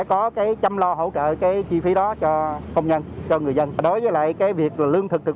có cái chăm lo hỗ trợ cái chi phí đó cho công nhân cho người dân đối với lại cái việc là lương thực thực